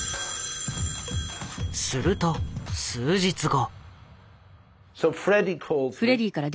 ☎すると数日後。